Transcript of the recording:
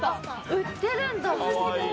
売ってるんだ。